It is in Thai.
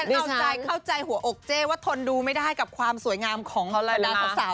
เอาใจเข้าใจหัวอกเจ๊ว่าทนดูไม่ได้กับความสวยงามของบรรดาสาว